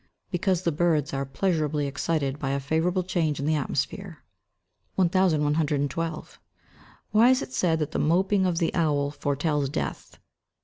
_ Because the birds are pleasurably excited by a favourable change in the atmosphere. 1112. _Why is it said that the moping of the owl foretells death?